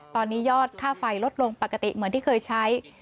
ตอนนี้ยอดค่าไฟลดลงปกติเหมือนที่เคยใช้